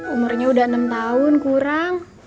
umurnya udah enam tahun kurang